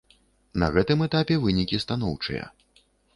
На гэтым этапе вынікі станоўчыя.